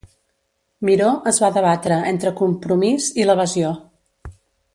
Miró es va debatre entre compromís i l'evasió.